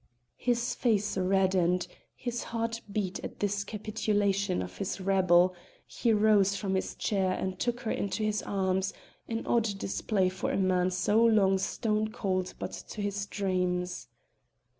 His face reddened; his heart beat at this capitulation of his rebel: he rose from his chair and took her into his arms an odd display for a man so long stone cold but to his dreams.